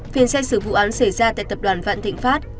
phiên xét xử vụ án xảy ra tại tập đoàn vạn thịnh pháp